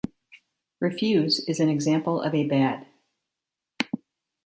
Refuse is an example of a bad.